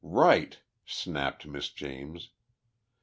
"Right!" snapped Miss James.